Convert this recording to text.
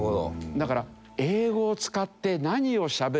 だから。